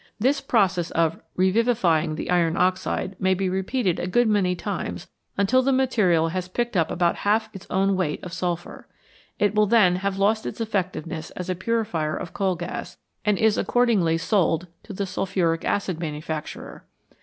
This process of " revivifying " the iron oxide may be repeated a good many times until the material has picked up about half its own weight of sulphur. It will then have lost its effectiveness as a purifier of coal gas, and is accordingly sold to the sulphuric acid manufacturer.